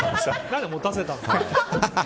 何で持たせたの？